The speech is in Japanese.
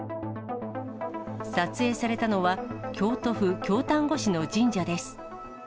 撮影されたのは、京都府京丹後市の神社です。